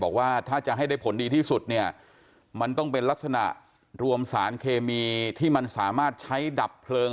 บอกว่าถ้าจะให้ได้ผลดีที่สุดเนี่ยมันต้องเป็นลักษณะรวมสารเคมีที่มันสามารถใช้ดับเพลิง